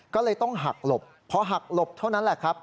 ก็เลยต้องหักหลบพอหักหลบเท่านั้นแหละครับ